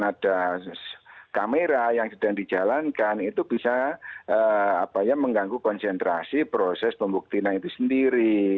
ada kamera yang sedang dijalankan itu bisa mengganggu konsentrasi proses pembuktian itu sendiri